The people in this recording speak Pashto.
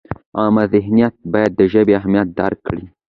عامه ذهنیت باید د ژبې اهمیت درک کړي.